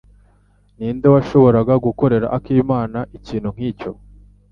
Ninde washoboraga gukorera Akimana ikintu nkicyo?